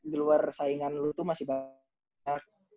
di luar saingan lo tuh masih banyak